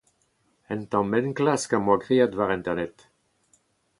Un tamm enklask 'm boa graet war Internet.